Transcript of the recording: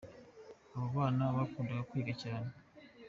abo bana bagakunda kwiga cyane.